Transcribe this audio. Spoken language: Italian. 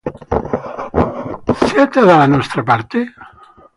Siete dalla nostra parte?